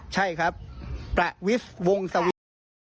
ใช่ครับประวิสวงสวิง